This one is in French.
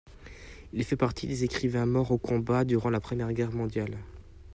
Il fait partie des écrivains morts au combat durant la Première Guerre mondiale.